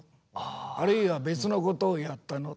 あるいは別のことをやったの？